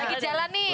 lagi jalan nih